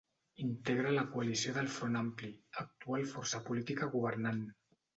Integra la coalició del Front Ampli, actual força política governant.